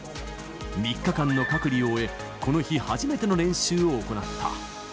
３日間の隔離を終え、この日、初めての練習を行った。